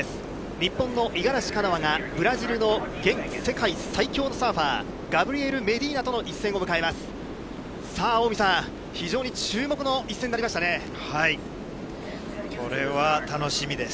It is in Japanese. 日本の五十嵐カノアが、ブラジルの現世界最強のサーファー、ガブリエル・メディーナとの一戦を迎えます。